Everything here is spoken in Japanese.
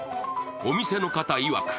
お店の方いわく